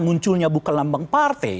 munculnya bukan lambang partai